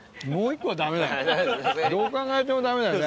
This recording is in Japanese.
どう考えてもダメだよね。